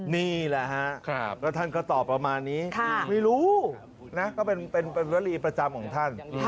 นี่แหละฮะแล้วท่านก็ตอบประมาณนี้ไม่รู้นะก็เป็นวลีประจำของท่าน